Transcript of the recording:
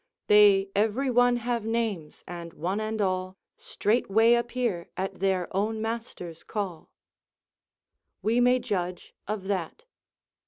"They every one have names, and one and all Straightway appear at their own master's call:" We may judge of that.